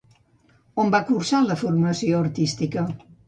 On va cursar la formació artística?